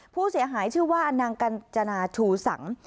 ผู้เสียหายชื่อว่านางกัญจนาชูสัง